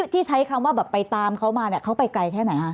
ที่ใช้คำว่าไปตามเขามาเขาไปไกลแค่ไหน